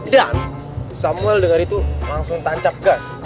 dan samuel denger itu langsung tancap gas